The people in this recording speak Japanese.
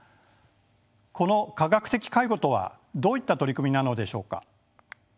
この科学的介護とはどういった取り組みなのでしょうか。